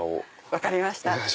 分かりました。